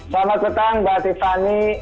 selamat petang mbak tiffany